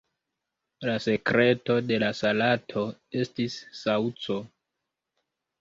La sekreto de la salato estis saŭco.